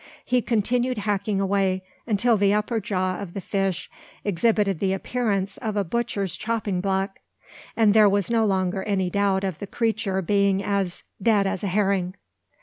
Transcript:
He continued hacking away, until the upper jaw of the fish exhibited the appearance of a butcher's chopping block; and there was no longer any doubt of the creature being as "dead as a herring."